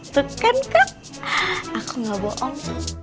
tuh kan kak aku gak bohong